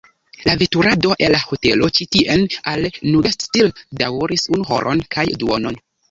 La veturado el la hotelo ĉi tien al "Nugget-tsil" daŭris unu horon kaj duonon.